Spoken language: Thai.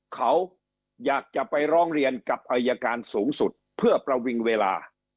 เขาอยากจะไปร้องเรียนกับอายการสูงสุดเพื่อประวิงเวลา